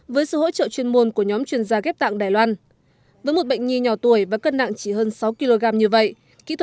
với sự hỗ trợ chuyên gia và các bác sĩ đã tận tình